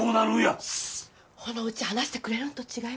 しッほのうち話してくれるんと違いますか？